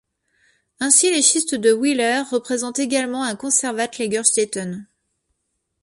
Ainsi, les Schistes de Wheeler représentent également un Konservat-Lagerstätten.